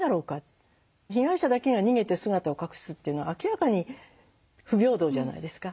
被害者だけが逃げて姿を隠すっていうのは明らかに不平等じゃないですか。